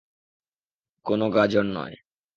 কোন গাজর নয়।